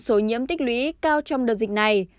số nhiễm tích lũy cao trong đợt dịch này